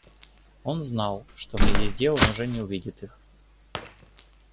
Он знал, что на езде он уже не увидит их.